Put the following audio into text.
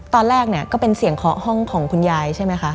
ตอนแรกเนี่ยก็เป็นเสียงเคาะห้องของคุณยายใช่ไหมคะ